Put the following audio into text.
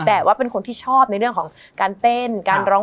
มันทำให้ชีวิตผู้มันไปไม่รอด